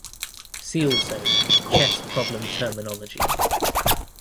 "See also: chess problem terminology"